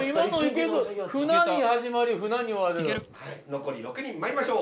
残り６人まいりましょう。